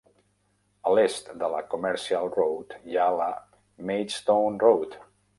A l'est de la "Commercial Road" hi ha la "Maidstone Road".